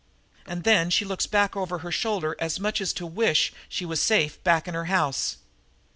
And then she looks back over her shoulder as much as to wish she was safe back in her house!"